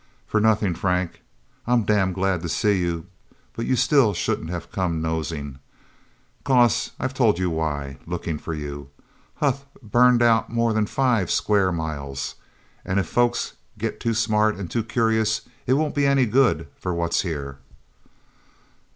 "For nothing, Frank. I'm damned glad to see you, but you still shouldn't have come nosing. 'Cause I told you why. Looking for you, Huth burned out more than five square miles. And if folks get too smart and too curious, it won't be any good for what's here..."